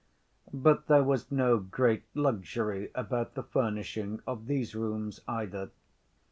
But there was no great luxury about the furnishing of these rooms either.